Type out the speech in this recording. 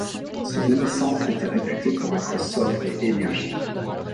Ce demi-centre était réputé pour être sobre et énergique.